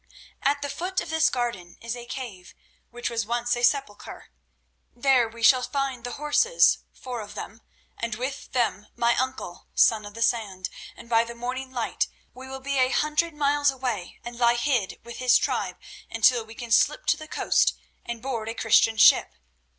At the foot of this garden is a cave, which was once a sepulchre. There we shall find the horses—four of them—and with them my uncle, Son of the Sand, and by the morning light we will be a hundred miles away and lie hid with his tribe until we can slip to the coast and board a Christian ship.